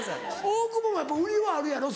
大久保もやっぱ売りはあるやろ？